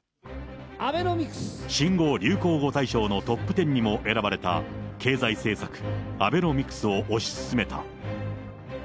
新語・流行語大賞のトップ１０にも選ばれた経済政策、アベノミクスを推し進めた。